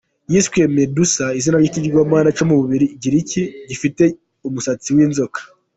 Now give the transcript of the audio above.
Yiswe Medusa, izina ry’ikigirwamana cyo mu Bugiriki gifite umusatsi w’inzoka.